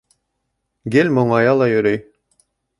Гел моңая ла йөрөй.